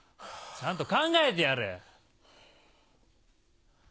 ちゃんと考えてやれ。